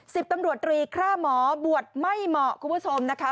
สิบตำรวจตรีคร่าหมอบวชไม่เหมาะคุณผู้ชมนะคะ